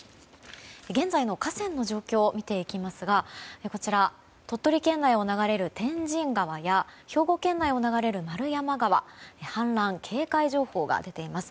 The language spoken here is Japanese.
現在の河川の状況を見ていきますが鳥取県内を流れる天神川や兵庫県内を流れる円山川に氾濫警戒情報が出ています。